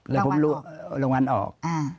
รางวัลออก